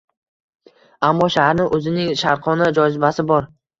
Ammo shaharni o‘zining sharqona jozibasi bor.